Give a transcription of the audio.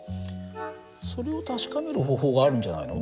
それを確かめる方法があるんじゃないの？